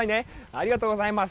ありがとうございます。